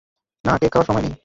না, কেক খাওয়ার সময় নেই।